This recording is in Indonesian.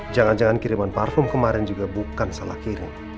jangan jangan kiriman parfum kemarin juga bukan salah kiri